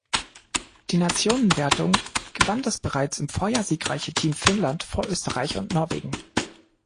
Die Nationenwertung gewann das bereits im Vorjahr siegreiche Team Finnland vor Österreich und Norwegen.